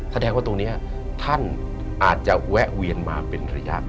แสดงว่าตรงนี้ท่านอาจจะแวะเวียนมาเป็นระยะ